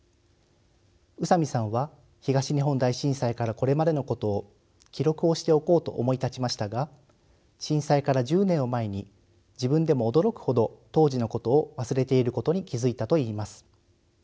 宇佐美さんは東日本大震災からこれまでのことを記録をしておこうと思い立ちましたが震災から１０年を前に自分でも驚くほど当時のことを忘れていることに気付いたといいます。